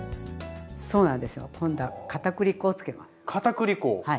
そうなんですよ今度はかたくり粉を。